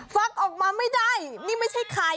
ฟักออกมาไม่ได้นี่ไม่ใช่ใคร